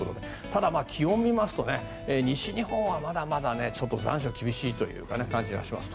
ただ、気温を見ますと西日本はまだまだ残暑が厳しいという感じがします。